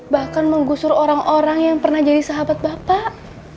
bahkan menggusur orang orang yang pernah jadi sahabat bapak